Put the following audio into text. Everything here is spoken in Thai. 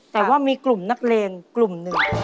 แต่ว่ามีกลุ่มนักเลงกลุ่มหนึ่ง